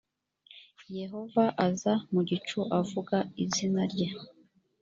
yehova aza mu gicu avuga izina rye